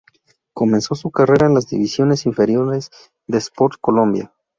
Comenzó su carrera en las divisiones inferiores de Sport Colombia.